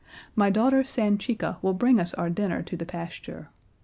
My daughter Sanchica will bring us our dinner to the pasture.